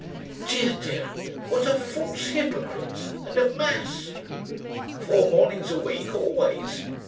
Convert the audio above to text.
"Dear, dear! what a false hypocrite! And at mass?" "Four mornings a week always."